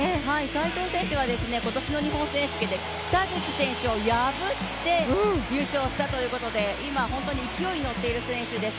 斉藤選手は今年の日本選手権で北口選手を破って優勝したということで今、本当に勢いに乗っている選手です。